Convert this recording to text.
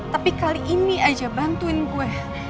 tapi kali ini aja bantuin gue